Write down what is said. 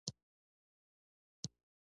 دلته د سواد کچې لوړولو هڅې وشوې